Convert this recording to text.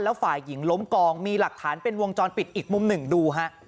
แล้วฝ่ายหญิงล้มกองมีหลักฐานเป็นวงจรปิดอีกมุมหนึ่งดูฮะ